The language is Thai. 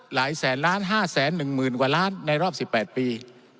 หลายแสนล้านห้าแสนหนึ่งหมื่นกว่าล้านในรอบ๑๘ปี